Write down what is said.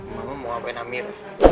mama mau ngapain amir